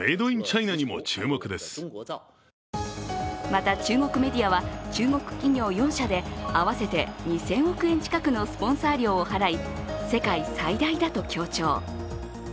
また、中国メディアは中国企業４社で合わせて２０００億円近くのスポンサー料を払い、世界最大だと強調。